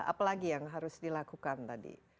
apalagi yang harus dilakukan tadi